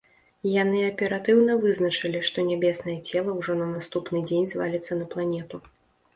Яны аператыўна вызначылі, што нябеснае цела ўжо на наступны дзень зваліцца на планету.